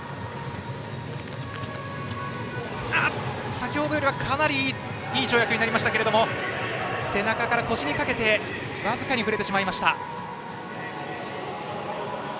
先ほどよりはかなりいい跳躍になりましたが背中から腰にかけて僅かに触れてしまいました。